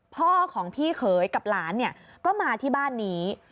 พ่อของพี่เขยกับหลานเนี่ยก็มาที่บ้านนี้